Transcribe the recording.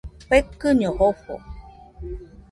Fekɨño jofo.